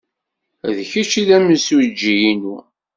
D kečč ay d imsujji-inu?